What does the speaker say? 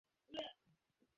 সুন্দর ভাবে খেলো।